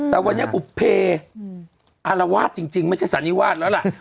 แต่วันนี้บุภเพออารวาสจริงไม่ใช่สันนิวาสแล้วล่ะ